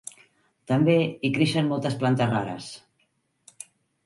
També hi creixen moltes plantes rares.